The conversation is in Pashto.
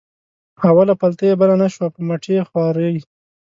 اوله پلته یې بله نه شوه په مټې خوارۍ.